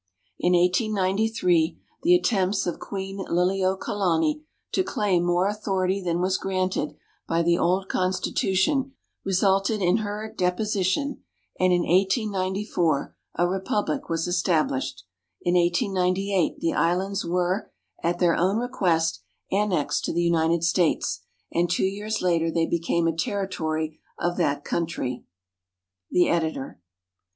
In 1893, the attempts of Queen LiUuokalani to claim more authority than was granted by the old constitution resulted in her deposition, and in 1894 a repubUc was estabHshed. In 1898, the islands were, at their own request, annexed to the United States, and two years later they became a Territory of that country. The Editor.